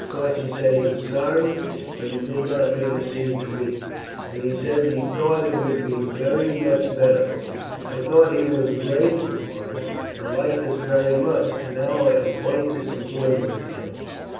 Of course he said he was sorry, but he did not really seem to be, and he says he thought it would be very much better for me. I thought he was grateful, father, and liked us very much, and now I am quite disappointed in him."